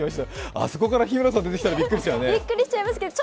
あそこから日村さんが出てきたらびっくりしちゃいますよね。